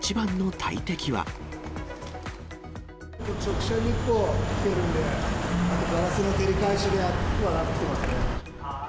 直射日光きてるんで、ガラスの照り返しで暑くはなってきていますね。